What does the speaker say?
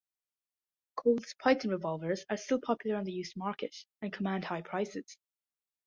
Colt's Python revolvers are still popular on the used market and command high prices.